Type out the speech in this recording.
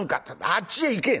「あっちへ行け！」